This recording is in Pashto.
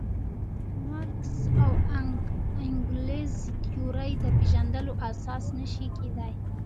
مارکس او انګلز تیورۍ د پېژندلو اساس نه شي کېدای.